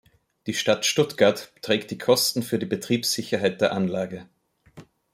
Die Stadt Stuttgart trägt die Kosten für die Betriebssicherheit der Anlage.